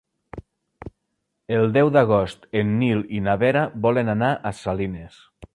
El deu d'agost en Nil i na Vera volen anar a Salines.